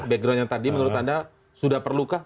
backgroundnya tadi menurut anda sudah perlukah